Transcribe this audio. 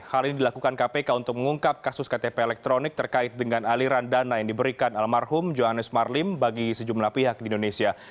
hal ini dilakukan kpk untuk mengungkap kasus ktp elektronik terkait dengan aliran dana yang diberikan almarhum johannes marlim bagi sejumlah pihak di indonesia